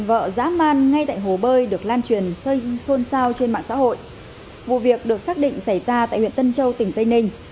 clip chồng bạo hành vợ giá man ngay tại hồ bơi được lan truyền xôn xao trên mạng xã hội vụ việc được xác định xảy ra tại huyện tân châu tỉnh tây ninh